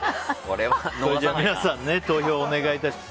皆さん、投票お願いします。